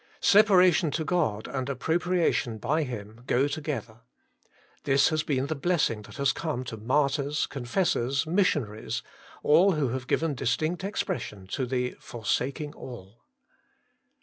4. Separation to God and appropriation by Him go together. This has been the blessing that has come to martyrs, confessors, missionaries, all who have given distinct expression to the forsaking all.